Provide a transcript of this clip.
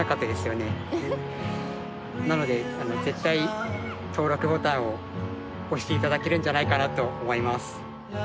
なので絶対登録ボタンを押して頂けるんじゃないかなと思います。